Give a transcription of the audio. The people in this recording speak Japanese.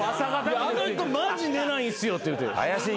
あの人マジ寝ないんすよって言うて。